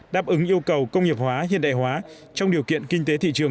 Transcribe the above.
đáp ứng yêu cầu công nghiệp hóa hiện đại hóa trong điều kiện kinh tế thị trường